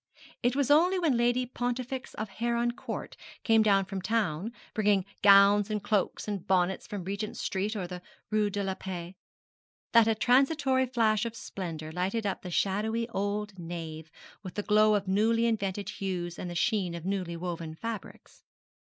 It was only when Lady Pontifex of Heron Court came down from town, bringing gowns and cloaks and bonnets from Regent Street or the Rue de la Paix, that a transitory flash of splendour lighted up the shadowy old nave with the glow of newly invented hues and the sheen of newly woven fabrics.